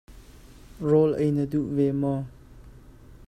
Rawl ei na duh ve maw?